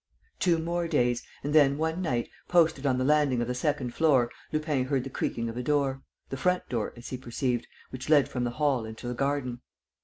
Two more days; and then, one night, posted on the landing of the second floor, Lupin heard the creaking of a door, the front door, as he perceived, which led from the hall into the garden.